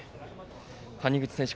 谷口選手